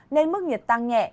nên mức nhiệt tăng nhẹ